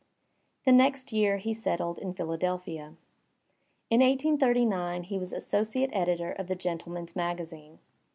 The next year he settled in Philadelphia. In 1839 he was associate editor of the Gentleman*s Magazine.